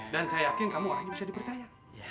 dan saya yakin kamu orangnya bisa dipercaya